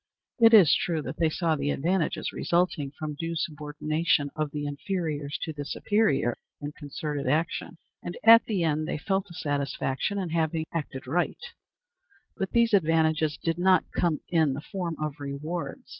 It is true that they saw the advantages resulting from due subordination of the inferiors to the superior in concerted action, and at the end they felt a satisfaction in having acted right; but these advantages did not come in the form of rewards.